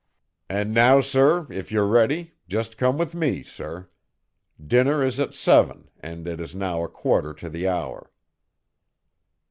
"And now, sir, if you're ready, just come with me, sir. Dinner is at seven, and it is now a quarter to the hour."